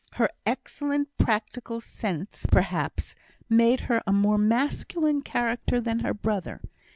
Her excellent practical sense, perhaps, made her a more masculine character than her brother.